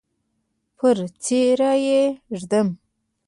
پر څیره یې ږدم